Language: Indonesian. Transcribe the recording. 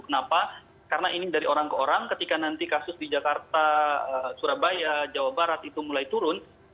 kenapa karena ini dari orang ke orang ketika nanti kasus di jakarta surabaya jawa barat itu mulai turun